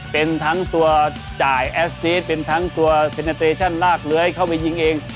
เป็นทั้งตัวจ่ายเป็นทั้งตัวลากเลื้อยเข้าไปยิงเอง